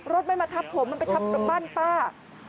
รถไม่มาทับผมมันไปทับบ้านป้า